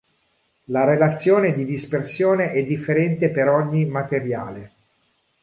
La relazione di dispersione è differente per ogni materiale.